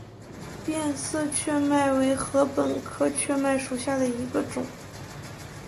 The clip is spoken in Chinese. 变色雀麦为禾本科雀麦属下的一个种。